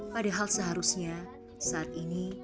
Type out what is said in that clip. padahal seharusnya saat ini